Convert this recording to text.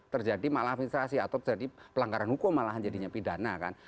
terjadi malah administrasi atau jadi pelanggaran hukum malahan jadinya pidana kan